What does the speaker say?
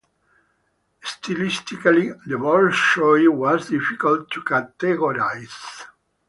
Stylistically, The Bolshoi was difficult to categorize.